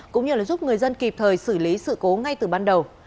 cũng như giúp người dân kịp thời xử lý sự cố ngay từ ban đầu